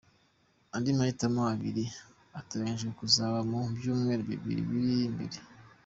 Andi mahitamo abiri ateganyijwe kuzaba mu byumweru bibiri biri imbere.